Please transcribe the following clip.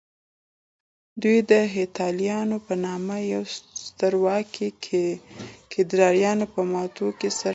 دوی د هېپتاليانو په نامه يوه سترواکي د کيداريانو په ماتولو سره رامنځته کړه